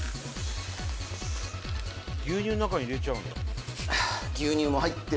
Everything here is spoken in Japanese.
牛乳の中に入れちゃうんだ。